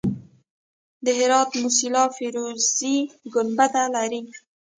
د هرات موسیلا فیروزي ګنبد لري